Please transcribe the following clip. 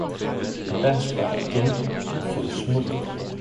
'Og deres børn igen, de har fået små!